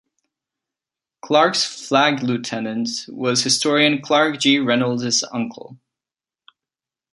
Clark's flag lieutenant was historian Clark G. Reynolds' uncle.